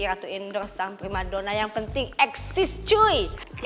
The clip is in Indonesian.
ratu endorse sang primadona yang penting eksis cuy